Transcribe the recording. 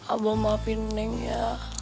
abah maafin neng ya